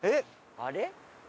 あれ？